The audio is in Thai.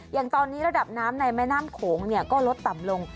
อย่างตอนนี้ระดับน้ำในแม่น้ำโขงก็ลดต่ำลง